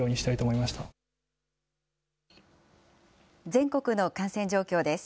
全国の感染状況です。